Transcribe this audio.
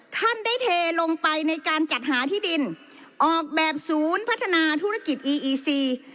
ท่านได้เทลงไปในการจัดหาที่ดินออกแบบศูนย์พัฒนาธุรกิจอีอีซี